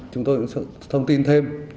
chúng tôi sẽ thông tin thêm